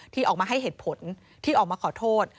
ที่ออกมาให้เหตุผลที่ออกมาขอโทษ